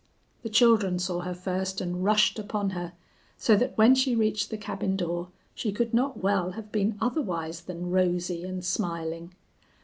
The children saw her first and rushed upon her, so that when she reached the cabin door she could not well have been otherwise than rosy and smiling.